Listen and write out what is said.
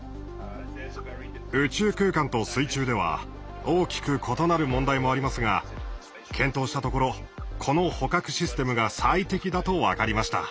宇宙空間と水中では大きく異なる問題もありますが検討したところこの捕獲システムが最適だと分かりました。